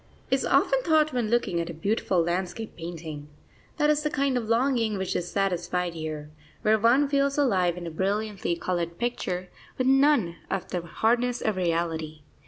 is often thought when looking at a beautiful landscape painting. That is the kind of longing which is satisfied here, where one feels alive in a brilliantly coloured picture, with none of the hardness of reality.